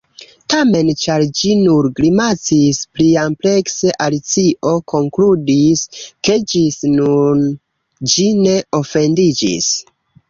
Tamen, ĉar ĝi nur grimacis pliamplekse, Alicio konkludis ke ĝis nun ĝi ne ofendiĝis.